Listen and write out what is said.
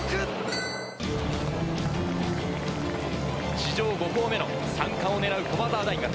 史上５校目の３冠を狙う駒澤大学。